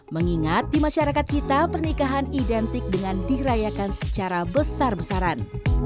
mengingat di masyarakat kita pernikahan identik dengan dirayakan secara besar besaran